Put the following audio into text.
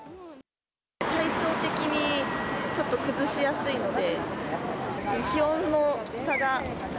体調的にちょっと崩しやすいので。